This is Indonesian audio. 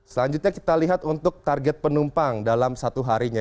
selanjutnya kita lihat untuk target penumpang dalam satu harinya